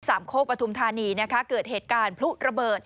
สามโค้กปฐุมธานีเกิดเหตุการณ์ผลุระเบิด